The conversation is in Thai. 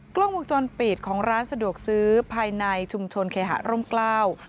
กล้องวงจรปิดของร้านสะดวกซื้อภายในชุมชนเคหาร่มกล้า